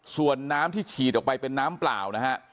ส่วนน้ำที่ฉีดออกไปเป็นน้ำเปล่านะฮะ